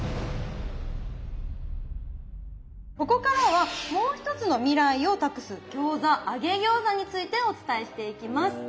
ここからはもう一つの未来をたくす餃子揚げ餃子についてお伝えしていきます。